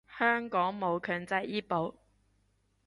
香港冇強制醫保